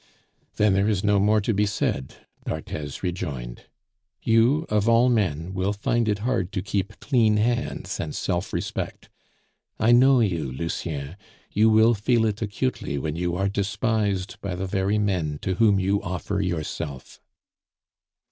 "Then there is no more to be said," d'Arthez rejoined. "You, of all men, will find it hard to keep clean hands and self respect. I know you, Lucien; you will feel it acutely when you are despised by the very men to whom you offer yourself."